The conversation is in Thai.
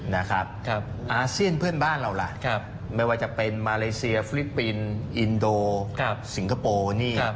อาเซียนเพื่อนบ้านเราล่ะไม่ว่าจะเป็นมาเลเซียฟิลิปปินส์อินโดสิงคโปร์นี่